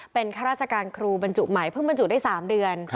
เป็นข้าราชการครูบรรจุใหม่เพิ่งบรรจุได้๓เดือน